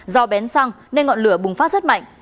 do bén xăng nên ngọn lửa bùng phát rất mạnh